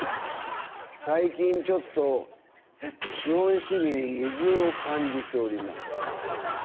最近ちょっと資本主義に矛盾を感じております。